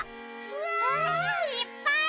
うわ！いっぱい。